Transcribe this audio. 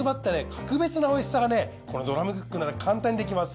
格別なおいしさがねこのドラムクックなら簡単にできます。